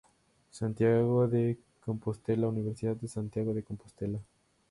Santiago de Compostela: Universidad de Santiago de Compostela.